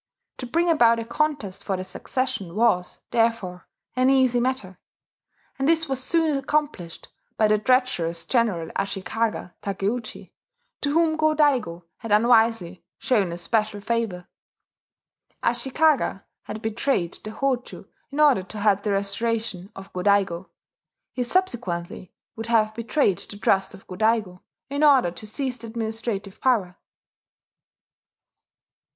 To bring about a contest for the succession was, therefore, an easy matter; and this was soon accomplished by the treacherous general Ashikaga Takeuji, to whom Go Daigo had unwisely shown especial favour. Ashikaga had betrayed the Hojo in order to help the restoration of Go Daigo: he subsequently would have betrayed the trust of Go Daigo, in order to seize the administrative power.